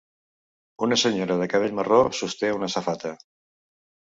Una senyora de cabell marró sosté una safata.